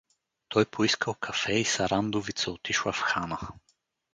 Той поискал кафе и Сарандовица отишла в хана.